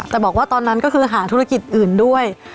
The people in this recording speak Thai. แต่บอกว่าตอนนั้นก็คือหาธุรกิจอื่นด้วย